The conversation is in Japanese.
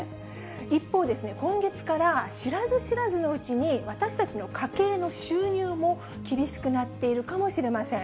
一方、今月から知らず知らずのうちに、私たちの家計の収入も厳しくなっているかもしれません。